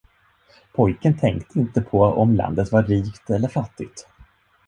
Pojken tänkte inte på om landet var rikt eller fattigt.